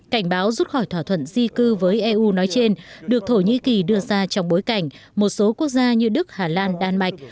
cảnh báo rút khỏi thỏa thuận di cư với eu nói trên được thổ nhĩ kỳ đưa ra trong bối cảnh một số quốc gia như đức hà lan đan mạch